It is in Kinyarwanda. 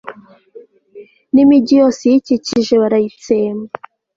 n'imigi yose iyikikije barayitsemba